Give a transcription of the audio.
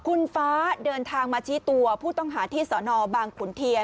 คุณฟ้าเดินทางมาชี้ตัวผู้ต้องหาที่สนบางขุนเทียน